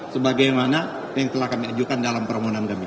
sebagaimana yang telah kami ajukan dalam permohonan kami